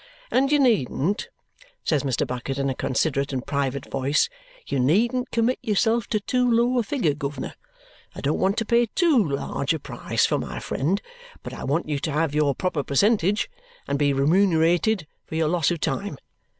And you needn't," says Mr. Bucket in a considerate and private voice, "you needn't commit yourself to too low a figure, governor. I don't want to pay too large a price for my friend, but I want you to have your proper percentage and be remunerated for your loss of time.